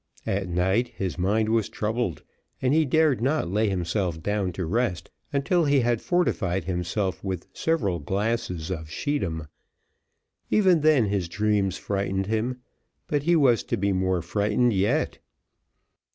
At night his mind was troubled, and he dare not lie himself down to rest until he had fortified himself with several glasses of scheedam; even then his dreams frightened him; but he was to be more frightened yet.